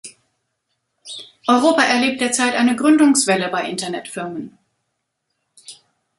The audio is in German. Europa erlebt derzeit eine Gründungswelle bei Internetfirmen.